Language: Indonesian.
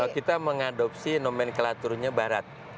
kita mengadopsi nomenklaturnya barat